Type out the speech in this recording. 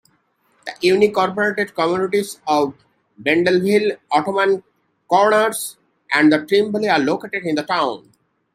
The unincorporated communities of Beldenville, Ottman Corners, and Trimbelle are located in the town.